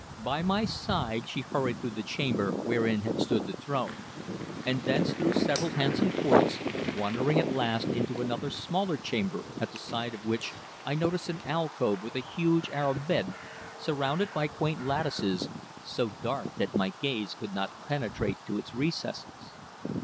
By my side she hurried through the chamber wherein had stood the throne, and thence through several handsome courts, wandering at last into another smaller chamber at the side of which I noticed an alcove with a huge Arab bed surrounded by quaint lattices, so dark that my gaze could not penetrate to its recesses.